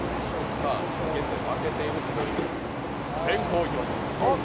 現在負けている千鳥軍先攻いきましょう。